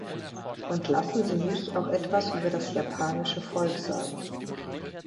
Und lassen Sie mich auch etwas über das japanische Volk sagen.